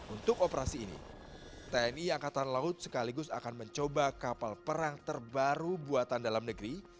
untuk operasi ini tni angkatan laut sekaligus akan mencoba kapal perang terbaru buatan dalam negeri